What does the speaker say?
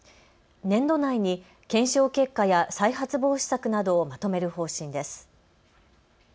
年度内に検証結果や再発防止策などをまとめる方針です。